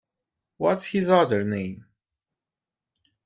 What’s his other name?